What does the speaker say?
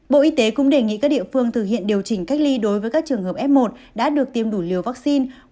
bộ y tế cũng đề nghị các địa phương thực hiện điều chỉnh cách ly đối với các trường hợp f một đã được tiêm đủ liều vaccine